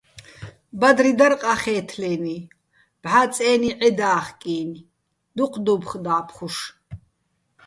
ბადრი დარ ყახე́თლენი ბჵა წე́ნი ჺედა́ხკი́ნი̆, დუჴ დუ́ფხო̆ და́ფხუშ.